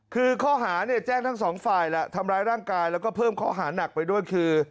คือข้อหาเนี่ยแจ้งทั้งสองฝ่ายแหละทำร้ายร่างกายแล้วก็เพิ่มข้อหานักไปด้วยคือ